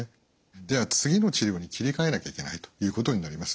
では次の治療に切り替えなきゃいけないということになります。